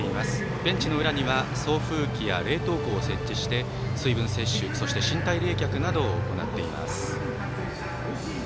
ベンチの裏には送風機や冷凍庫を設置して水分摂取、そして身体冷却などを行っています。